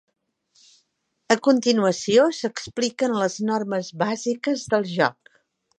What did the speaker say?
A continuació s'expliquen les normes bàsiques del joc.